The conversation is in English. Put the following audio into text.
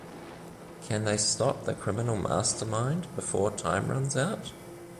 Can they stop the criminal mastermind before time runs out?